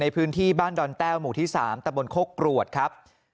พื้นที่บ้านดอนแต้วหมู่ที่๓ตะบนโคกรวดครับ